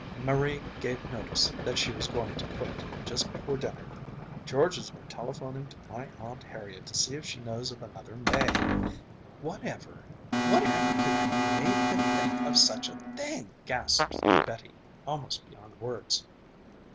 Marie gave notice that she was going to quit, just before dinner. George has been telephoning to my Aunt Harriet to see if she knows of another maid...." "Whatever... whatever could have made them think of such a thing!" gasped Betty, almost beyond words.